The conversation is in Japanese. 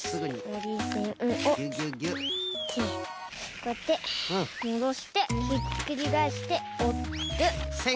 こうやってもどしてひっくりがえしておる。